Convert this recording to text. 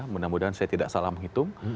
mudah mudahan saya tidak salah menghitung